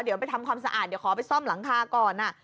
เดี๋ยวไปทำความสะอาดเดี๋ยวขอไปซ่อมหลังคาก่อน